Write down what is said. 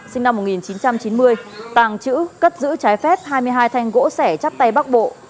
sinh năm một nghìn chín trăm chín mươi tàng trữ cất giữ trái phép hai mươi hai thanh gỗ sẻ chắp tay bắc bộ